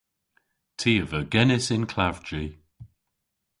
Ty a veu genys yn klavji.